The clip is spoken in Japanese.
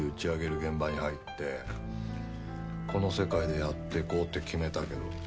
現場に入ってこの世界でやっていこうって決めたけど。